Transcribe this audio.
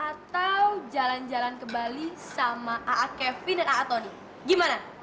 atau jalan jalan ke bali sama aa kevin dan atoni gimana